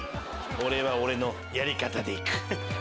俺は俺のやり方で行く。